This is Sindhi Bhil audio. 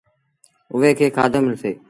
اُئي کي کآڌو ملسي۔